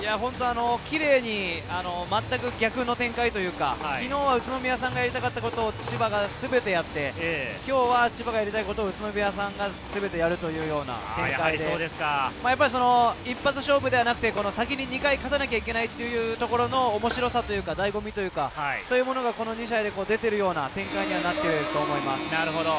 キレイに全く逆の展開というか、昨日は宇都宮さんがやりたかったことを千葉がすべてやって、今日は千葉がやりたいことを宇都宮さんがすべてやるというような展開で、一発勝負ではなくて先に２回勝たなきゃいけないという面白さというか醍醐味というか、そういうものが２試合で出ている展開になっていると思います。